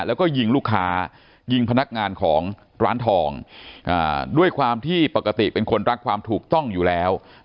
แล้วก็ยิงลูกค้ายิงพนักงานของร้านทองด้วยความที่ปกติเป็นคนรักความถูกต้องอยู่แล้ว